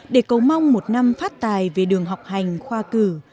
để cầu mong một năm phát tài về đường học hành khoa cử